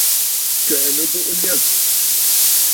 Kɛ̀ʼɛ nɨbuʼu nyâ.